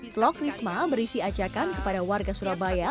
vlog risma berisi ajakan kepada warga surabaya